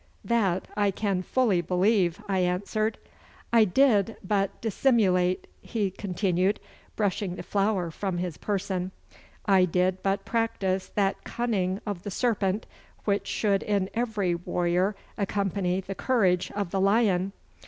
'That I can fully believe,' I answered. 'I did but dissimulate,' he continued, brushing the flour from his person. 'I did but practise that cunning of the serpent which should in every warrior accompany the courage of the lion.